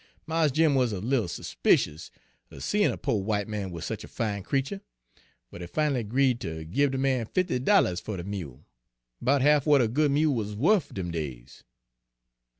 Mars Jim was a little s'picious er seein' a po' w'ite man wid sech a fine creetur, but he fin'lly 'greed ter gib de man fifty dollars fer de mule, 'bout ha'f w'at a good mule was wuf dem days.